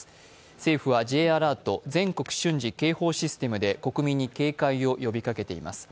政府はＪアラート、全国瞬時警報システムで国民に警戒を呼びかけています。